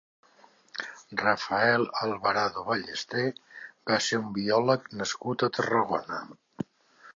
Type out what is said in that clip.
Rafael Alvarado Ballester va ser un biòleg nascut a Tarragona.